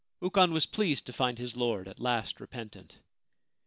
Ukon was pleased to find his lord at last repentant.